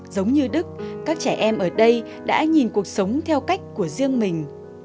giống như đức các trẻ em ở đây đã nhìn cuộc sống theo cách của riêng mình